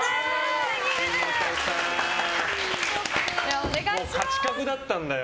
もう勝確だったんだよ。